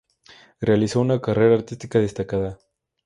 Realizó una carrera artística destacada.